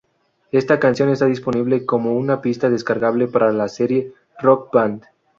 Esta canción está disponible como una pista descargable para la serie "Rock Band".